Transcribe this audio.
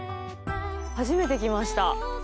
初めて来ました。